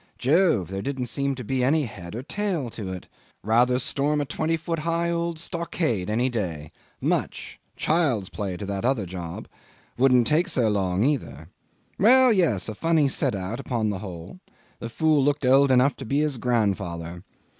Jove! There didn't seem to be any head or tail to it. Rather storm a twenty foot high old stockade any day. Much! Child's play to that other job. Wouldn't take so long either. Well, yes; a funny set out, upon the whole the fool looked old enough to be his grandfather.